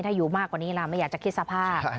ถ้าอยู่มากกว่านี้ล่ะไม่อยากจะคิดสภาพ